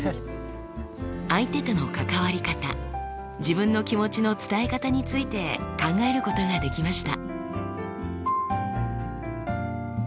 相手との関わり方自分の気持ちの伝え方について考えることができました。